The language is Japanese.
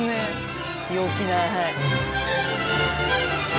陽気なはい。